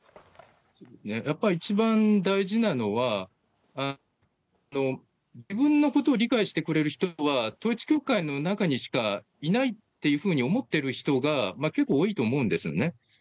やっぱり一番大事なのは、自分のことを理解してくれる人は、統一教会の中にしかいないっていうふうに思ってる人が結構多いと思うんですよね。